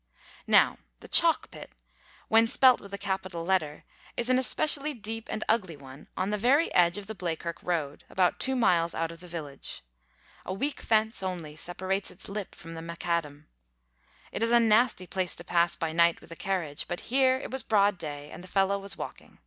Now the Chalk pit, when spelt with a capital letter, is an especially deep and ugly one on the very edge of the Bleakirk road, about two miles out of the village. A weak fence only separates its lip from the macadam. It is a nasty place to pass by night with a carriage; but here it was broad day, and the fellow was walking.